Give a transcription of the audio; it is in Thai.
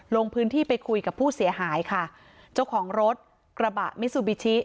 ลงพื้นที่ไปคุยกับผู้เสียหายค่ะเจ้าของรถกระบะมิซูบิชิ